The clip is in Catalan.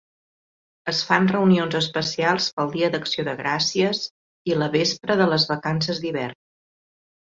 Es fan reunions especials pel Dia d'Acció de Gràcies i la vespra de les vacances d'hivern.